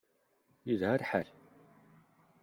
Yelha lḥal.